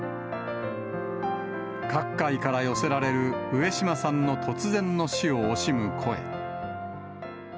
各界から寄せられる上島さんの突然の死を惜しむ声。